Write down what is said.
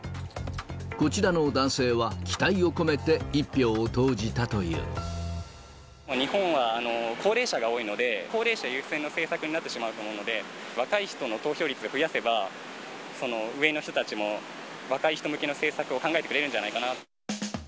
こちらの男性は、日本は高齢者が多いので、高齢者優先の政策になってしまうと思うので、若い人の投票率を増やせば、上の人たちも若い人向けの政策を考えてくれるんじゃないかな。